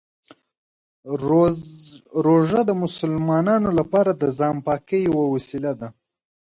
روژه د مسلمانانو لپاره د ځان پاکۍ یوه وسیله ده.